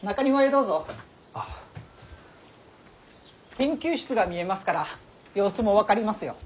研究室が見えますから様子も分かりますよ。